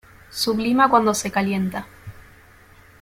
Sublima cuando se calienta.